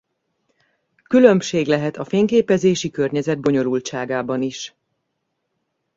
Különbség lehet a fényképezési környezet bonyolultságában is.